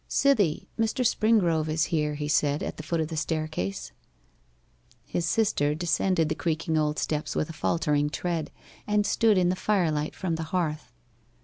'Cythie, Mr. Springrove is here,' he said, at the foot of the staircase. His sister descended the creaking old steps with a faltering tread, and stood in the firelight from the hearth.